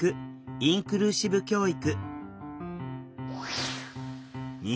インクルーシブ教育。